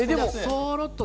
そろっと。